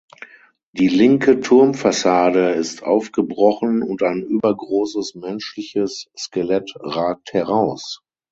Die linke Turmfassade ist aufgebrochen und ein übergroßes menschliches Skelett ragt heraus.